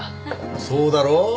そうだろう？